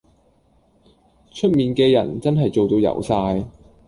出面嘅人真係做到油晒